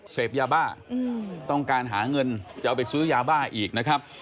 เสพยาบ้าต้องการหาเงินจะเอาไปซื้อยาบ้าอีกนะครับ